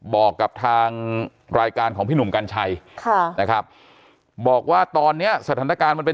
บอกกับทางรายการของพี่หนุ่มกัญชัยค่ะนะครับบอกว่าตอนนี้สถานการณ์มันเป็น